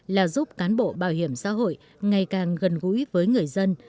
là giúp cán bộ bảo hiểm xã hội ngày càng gần gũi với người dân